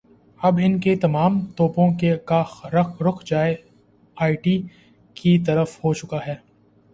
اب ان کی تمام توپوں کا رخ جے آئی ٹی کی طرف ہوچکا ہے۔